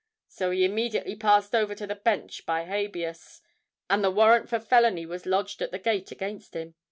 So he immediately passed over to the Bench by habeas; and the warrant for felony was lodged at the gate against him.